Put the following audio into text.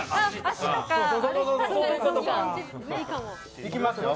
いきますよ。